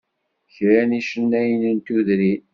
Kra n yicennayen n tudrin.